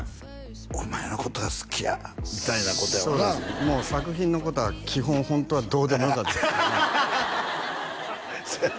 お前のことが好きやみたいなことやろなもう作品のことは基本ホントはどうでもよかったですねせやろ？